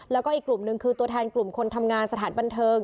แล้วก็อีกกลุ่มหนึ่งคือตัวแทนกลุ่มคนทำงานสถานบันเทิง